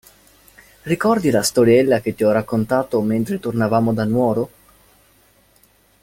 Ricordi la storiella che ti ho raccontato mentre tornavamo da Nuoro?